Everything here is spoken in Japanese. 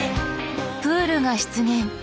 プールが出現。